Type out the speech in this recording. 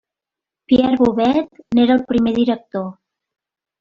Pierre Bovet n'era el primer director.